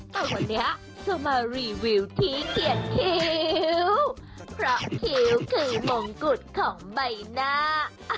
แต่วันนี้เธอมารีวิวที่เขียนคิ้วเพราะคิ้วคือมงกุฎของใบหน้า